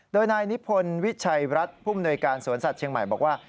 โดยนายนิพนธ์วิชัยรัฐภูมิหน่วยการสวนสัตว์เชียงใหม่บอกว่า